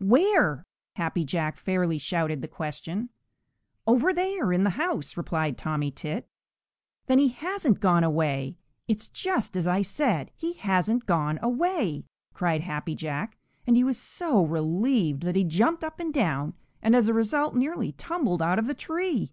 "Where?" Happy Jack fairly shouted the question. "Over there in the house," replied Tommy Tit. "Then he hasn't gone away! It's just as I said, he hasn't gone away!" cried Happy Jack, and he was so relieved that he jumped up and down and as a result nearly tumbled out of the tree.